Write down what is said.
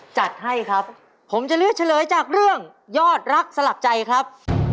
จัดให้ครับผมจะเลือกเฉลยจากเรื่องยอดรักสลักใจครับ